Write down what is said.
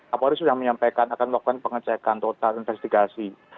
kapolri sudah menyampaikan akan melakukan pengecekan total investigasi